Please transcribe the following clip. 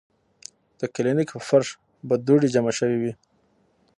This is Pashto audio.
د کلینک پۀ فرش به دوړې جمع شوې وې ـ